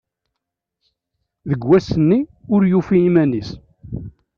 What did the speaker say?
Deg wass-nni ur yufi iman-is